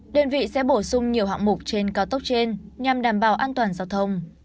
đơn vị sẽ bổ sung nhiều hạng mục trên cao tốc trên nhằm đảm bảo an toàn giao thông